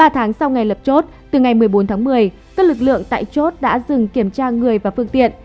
ba tháng sau ngày lập chốt từ ngày một mươi bốn tháng một mươi các lực lượng tại chốt đã dừng kiểm tra người và phương tiện